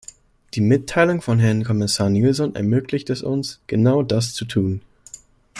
Die Mitteilung von Herrn Kommissar Nielson ermöglicht es uns, genau das zu tun.